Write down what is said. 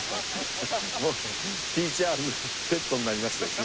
ティーチャーズペットになりましてですね